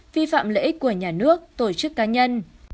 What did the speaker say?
vi phạm lợi ích của nhà nước tổ chức cá nhân